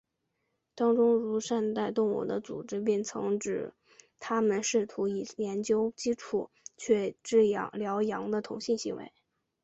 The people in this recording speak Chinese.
当中如善待动物组织便曾指它们试图以此研究基础去治疗羊的同性行为。